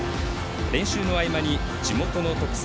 練習の合間に、地元の特産